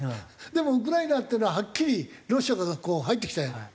でもウクライナっていうのははっきりロシアからこう入ってきたじゃない？